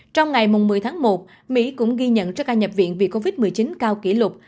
trong ngày một mươi tháng một mỹ cũng ghi nhận số ca nhập viện vì covid một mươi chín cao kỷ lục